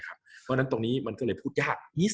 กับการสตรีมเมอร์หรือการทำอะไรอย่างเงี้ย